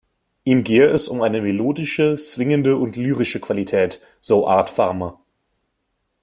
Ihm gehe es um eine „melodische, swingende und lyrische Qualität“, so Art Farmer.